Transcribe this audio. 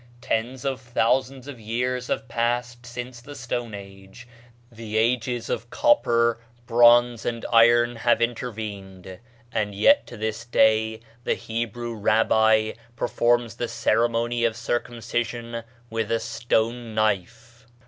Tens of thousands of years have passed since the Stone Age; the ages of copper, bronze, and iron have intervened; and yet to this day the Hebrew rabbi performs the ceremony of circumcision with a stone knife.